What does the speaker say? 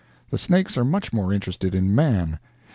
The snakes are much more interested in man.